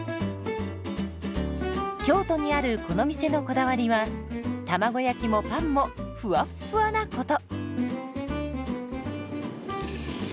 京都にあるこの店のこだわりは卵焼きもパンもふわっふわなこと。